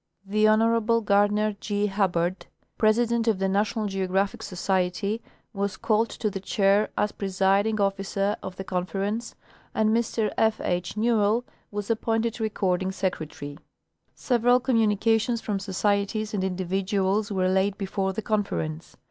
The Honorable Gardiner G. Hubbard, President of the Na tional GEOGRAPHIC Society, was called to the chair as presiding officer of the Conference, and Mr F. H. Newell was appointed Recording Secretary. Several communications from societies and individuals were laid before the Conference.